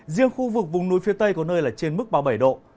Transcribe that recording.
riêng khu vực vùng núi phía tây có nơi là trên mức ba mươi bảy độ